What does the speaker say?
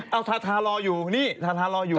เอาทาทารออยู่นี่ทาทารออยู่